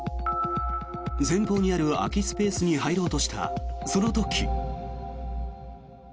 前方にある空きスペースに入ろうとした、その時。